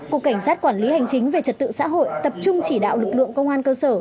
cục cảnh sát quản lý hành chính về trật tự xã hội tập trung chỉ đạo lực lượng công an cơ sở